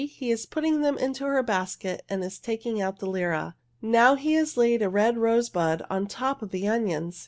He is putting them into her basket and is taking out the lira. Now he has laid a red rosebud on top of the onions.